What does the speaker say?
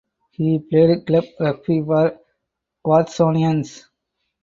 He played club rugby for Watsonians.